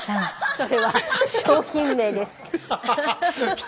それは商品名です。